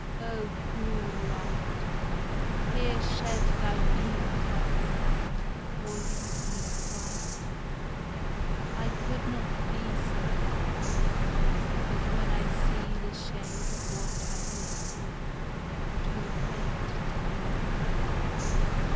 Oh, cruel Light ! Here shed thy beams for ever, Or leave me quite ! I could not be so hopeless As when I see the shade of what I hope for Too faint to grasp